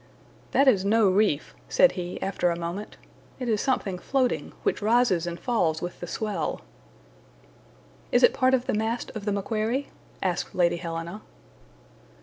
"That is no reef," said he, after a moment; "it is something floating, which rises and falls with the swell." "Is it part of the mast of the MACQUARIE?" asked Lady Helena.